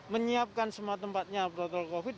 menyiapkan semua tempatnya protokol covid